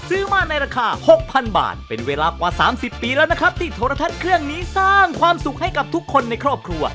ซื้อมาในราคา๖๐๐๐บาทเป็นเวลากว่า๓๐ปีแล้วนะครับที่โทรทัศน์เครื่องนี้สร้างความสุขให้กับทุกคนในครอบครัว